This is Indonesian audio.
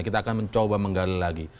kita akan mencoba menggali lagi